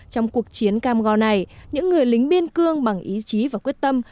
trong cuộc chiến cam go này những người lính biên cương bằng ý chí và quyết tâm